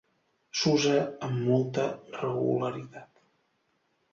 S'usa amb molta regularitat.